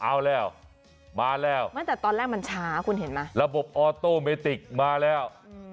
เอาแล้วมาแล้วตั้งแต่ตอนแรกมันช้าคุณเห็นไหมระบบออโต้เมติกมาแล้ว